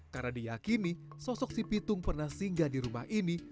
karena diyakini sosok si pitung pernah singgah di rumah ini